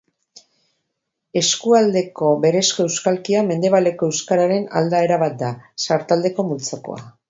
Eskualdeko berezko euskalkia mendebaleko euskararen aldaera bat da, sartaldeko multzokoa.